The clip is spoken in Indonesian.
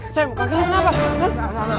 sam kaki lu kenapa